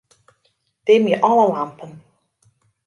Dimje alle lampen.